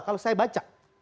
kalau saya baca